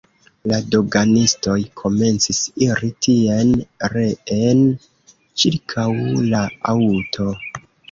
La doganistoj komencis iri tien-reen ĉirkaŭ la aŭto.